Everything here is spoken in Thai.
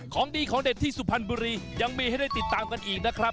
ของดีของเด็ดที่สุพรรณบุรียังมีให้ได้ติดตามกันอีกนะครับ